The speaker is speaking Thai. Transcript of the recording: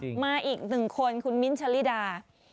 มาอีกหนึ่งคนคุณมิ้นท์ชะลิดา